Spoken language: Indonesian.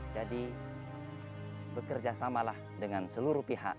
jadi bekerjasamalah dengan seluruh pihak